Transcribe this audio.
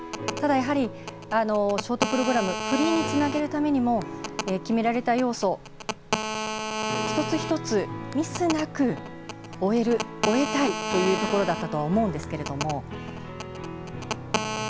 ただやはり、ショートプログラムフリーにつなげるためにも決められた要素、一つ一つミスなく終えたいというところだったとは思うんですけれども。